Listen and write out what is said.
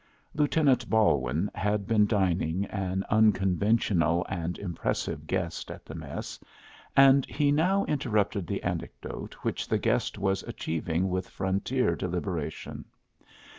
Lieutenant Balwin had been dining an unconventional and impressive guest at the mess, and he now interrupted the anecdote which the guest was achieving with frontier deliberation.